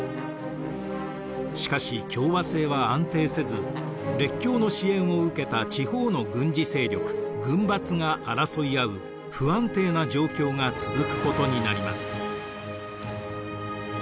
しかし共和制は安定せず列強の支援を受けた地方の軍事勢力軍閥が争い合う不安定な状況が続くことになります。